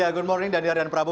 ya good morning daniar dan prabu